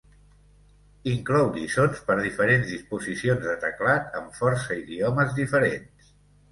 Inclou lliçons per diferents disposicions de teclat en força idiomes diferents.